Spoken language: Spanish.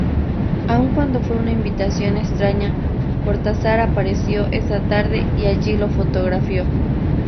Aun cuando fue una invitación extraña, Cortázar apareció esa tarde y allí lo fotografió.